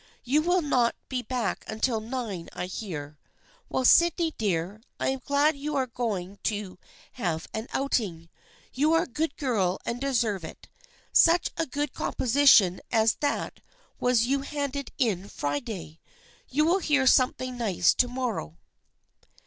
You will not be back until nine, I hear ! Well, Sydney dear, I am glad you are going to have an outing. You are a good girl and deserve it. Such a good composition as that was you handed in Friday I You will hear something nice to morrow."